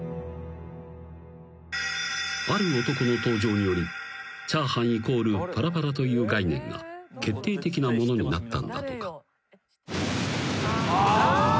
［ある男の登場によりチャーハンイコールパラパラという概念が決定的なものになったんだとか］